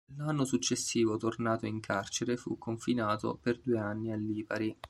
L'anno successivo, tornato in carcere, fu confinato per due anni a Lipari.